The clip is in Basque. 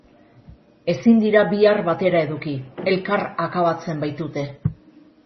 Ezin dira bi ar batera eduki elkar akabatzen baitute.